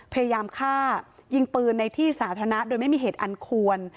พยายามฆ่ายิงปืนในที่สาธารณะโดยไม่มีเหตุอันควร